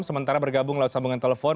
sementara bergabung lewat sambungan telepon